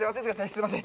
すみません。